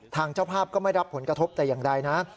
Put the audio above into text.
เจ้าภาพก็ไม่รับผลกระทบแต่อย่างใดนะ